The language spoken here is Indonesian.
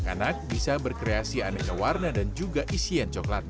anak anak bisa berkreasi anehnya warna dan juga isian coklat pralin